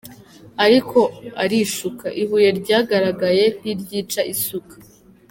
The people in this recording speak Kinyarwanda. Ariko arishuka, ibuye ryagaragaye ntiryica isuka.